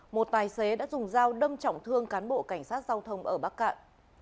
một tài xế đã dùng dao đâm trọng thương cán bộ cảnh sát giao thông ở bắc cạn